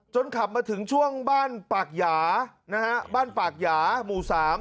ขับมาถึงช่วงบ้านปากหยานะฮะบ้านปากหยาหมู่สาม